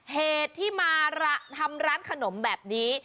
เหตุที่มาทำร้านขนมแบบนี้